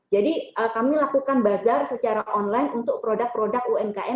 jadi kami lakukan bazar secara online untuk produk produk umkm